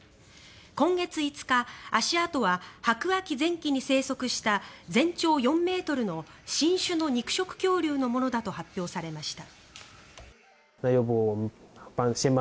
今月５日足跡はｌ白亜紀前期に生息した全長４ｍの新種の肉食恐竜のものだと発表されました。